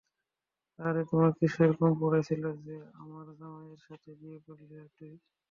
আরে তোমার কীসের কম পড়েছিলো যে আমার জামাই এর সাথে বিয়ে করলে তুমি?